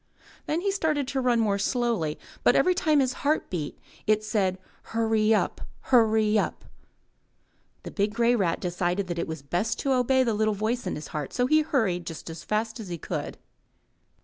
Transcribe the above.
'* Then he started to run more slowly, but every time his heart beat, it said, ''Hurry up ! Hurry up !'' The big grey rat decided that it was best to obey the little voice in his heart, so he hurried just as fast as he could.